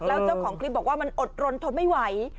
แล้วเจ้าของคลิปบอกว่ามันอดรนทนไม่ไหว